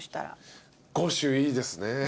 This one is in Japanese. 五種いいですね。